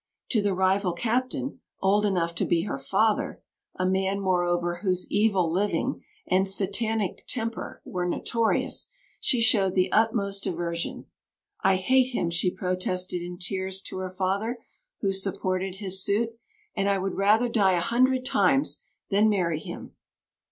To the rival Captain, old enough to be her father, a man, moreover, whose evil living and Satanic temper were notorious, she showed the utmost aversion. "I hate him," she protested in tears to her father, who supported his suit; "and I would rather die a hundred times than marry him."